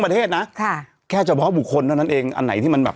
ประเทศนะค่ะแค่เฉพาะบุคคลเท่านั้นเองอันไหนที่มันแบบ